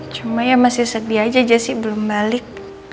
cuma ya masih sedih aja sih belum balik